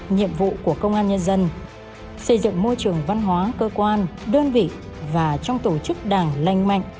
nhiệm vụ của công an nhân dân xây dựng môi trường văn hóa cơ quan đơn vị và trong tổ chức đảng lanh mạnh